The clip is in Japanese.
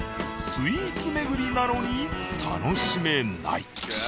スイーツ巡りなのに楽しめない。